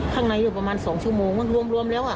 ข้างในอยู่ประมาณ๒ชั่วโมงมันรวมแล้วอ่ะ